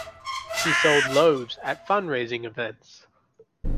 She sold loaves at fundraising events.